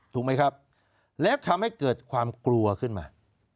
ถูกไหมครับแล้วทำให้เกิดความกลัวขึ้นมา